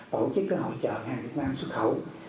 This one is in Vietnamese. tổ chức hỗ trợ hàng việt nam xuất khẩu